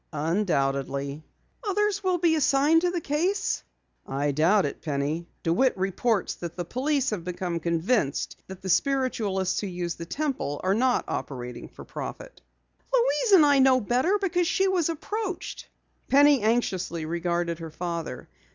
"Undoubtedly." "Others will be assigned to the case?" "I doubt it, Penny. DeWitt reports that the police have become convinced that the spiritualists who use the Temple are not operating for profit." "Louise and I know better because she was approached." Penny anxiously regarded her father.